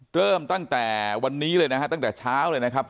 เริ่มตั้งแต่วันนี้เลยนะฮะตั้งแต่เช้าเลยนะครับ